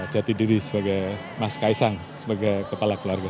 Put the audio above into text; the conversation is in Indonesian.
jati diri sebagai mas kaisang sebagai kepala keluarga